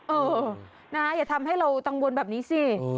เออนะอย่าทำให้เรากังวลแบบนี้สิ